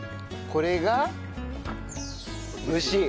これ蒸し。